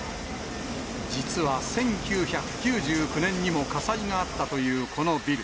実は１９９９年にも火災があったというこのビル。